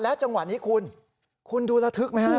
จังหวะนี้คุณคุณดูระทึกไหมฮะ